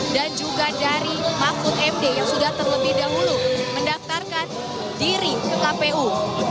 dan juga dari mahfud md yang sudah terlebih dahulu mendaftarkan diri ke kpu